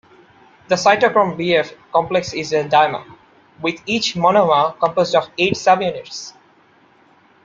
The cytochrome bf complex is a dimer, with each monomer composed of eight subunits.